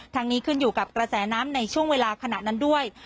นี้ขึ้นอยู่กับกระแสน้ำในช่วงเวลาขณะนั้นด้วย